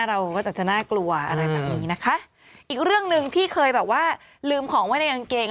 เราก็จะจะน่ากลัวอะไรแบบนี้นะคะอีกเรื่องหนึ่งที่เคยแบบว่าลืมของไว้ในกางเกง